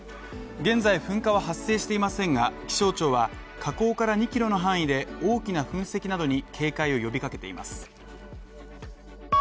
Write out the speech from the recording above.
現在、噴火は発生していませんが、気象庁は火口から２ｋｍの範囲で大きな噴石などに警戒を呼びかけています。